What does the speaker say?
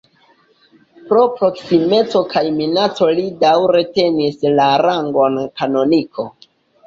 Pro proksimeco kaj minaco li daŭre tenis la rangon kanoniko.